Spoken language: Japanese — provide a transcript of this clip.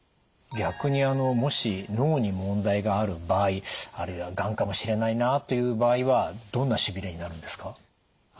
逆にもし脳に問題がある場合あるいはがんかもしれないなという場合はどんなしびれになるんですか？